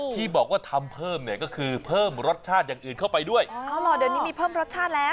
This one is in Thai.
ที่บอกว่าทำเพิ่มเนี่ยก็คือเพิ่มรสชาติอย่างอื่นเข้าไปด้วยอ๋อเหรอเดี๋ยวนี้มีเพิ่มรสชาติแล้ว